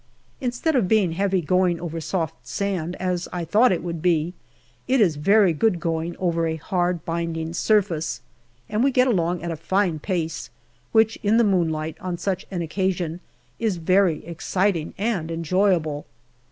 Instead of being heavy going over soft sand, as I thought it would be, it is very good going over a hard, binding surface, and we get along at a fine pace, which in the moonlight, on such an occasion, is very exciting and enjoyable.